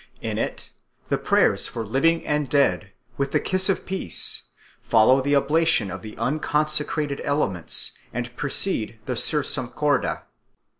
In it the prayers for living and dead, with the kiss of peace, follow the oblation of the unconsecrated elements and precede the Sursum Corda.